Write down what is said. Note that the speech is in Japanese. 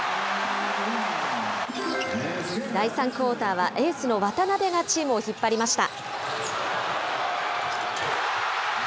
第３クオーターは、エースの渡邊がチームを引っ張りました。